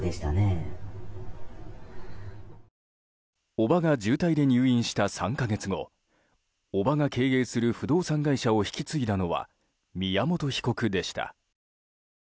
叔母が重体で入院した３か月後叔母が経営する不動産会社を引き継いだのは宮本被告でした。